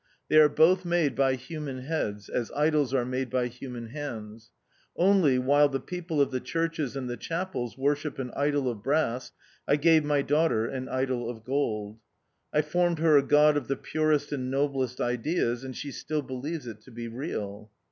They are both made by human heads, as idols are made by human hands ; only, while the people of the churches and the chapels worship an idol of brass, I gave my daughter an idol of gold. I formed her a God of the purest and noblest ideas, and she still believes it to be real.